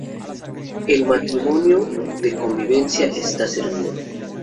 El matrimonio de conveniencia está servido.